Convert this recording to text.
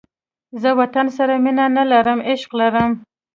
زه وطن سره مینه نه لرم، عشق لرم